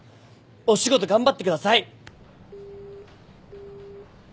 お仕事頑張ってください！